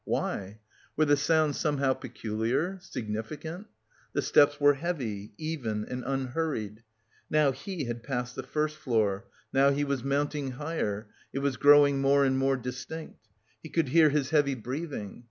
Why? Were the sounds somehow peculiar, significant? The steps were heavy, even and unhurried. Now he had passed the first floor, now he was mounting higher, it was growing more and more distinct! He could hear his heavy breathing.